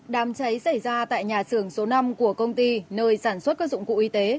đám cháy xảy ra tại nhà xưởng số năm của công ty nơi sản xuất các dụng cụ y tế